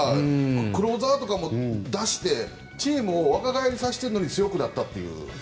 クローザーとかも出してチームを若返りさしてるのに強くなったという。